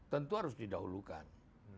tentu harus didahulukan